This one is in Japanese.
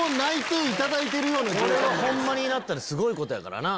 これがホンマになったらすごいことやからな。